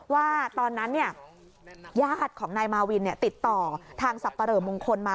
ว่าตอนนั้นญาติของนายมาวินติดต่อทางสับปะเหลอมงคลมา